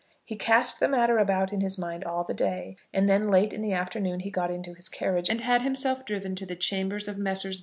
He cast the matter about in his mind all the day; and then, late in the afternoon, he got into his carriage, and had himself driven to the chambers of Messrs.